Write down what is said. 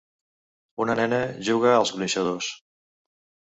Una nena juga als gronxadors.